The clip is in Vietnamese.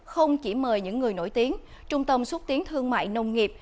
không chỉ mời những người nổi tiếng trung tâm xuất tiến thương mại nông nghiệp